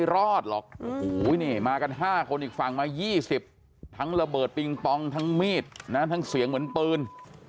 รอดหรอกโอ้โหนี่มากัน๕คนอีกฝั่งมา๒๐ทั้งระเบิดปิงปองทั้งมีดนะทั้งเสียงเหมือนปืน